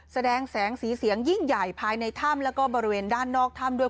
แสดงแสงสีเสียงยิ่งใหญ่ภายในถ้ำแล้วก็บริเวณด้านนอกถ้ำด้วย